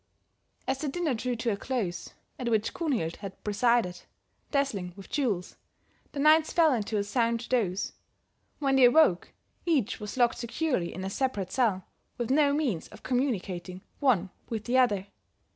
"As the dinner drew to a close at which Kunhild had presided, dazzling with jewels the knights fell into a sound doze; when they awoke each was locked securely in a separate cell with no means of communicating one with the other.